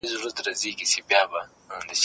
دواړه کسان په روسي ژبه خبرې کولې.